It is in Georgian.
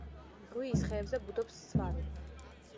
ღვიის ხეებზე ბუდობს სვავი.